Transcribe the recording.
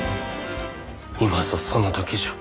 今ぞその時じゃ。